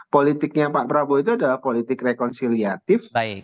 politiknya pak prabowo itu adalah politik rekonsiliatif